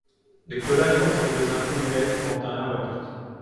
دکتۆرای فەخری لە زانکۆی ویلایەتی مۆنتانا وەرگرت